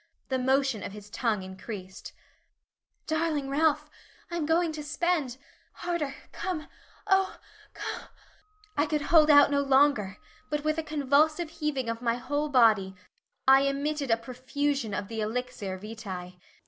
The motion of his tongue increased. "Darling Ralph, I am going to spend harder come O co ." I could hold out no longer, but with a convulsive heaving of my whole body, I emitted a profusion of the elixir vitae.